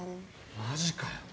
マジかよ。